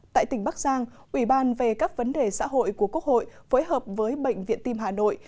tại tỉnh bắc giang ủy ban về các vấn đề xã hội của quốc hội phối hợp với bệnh viện tim hà nội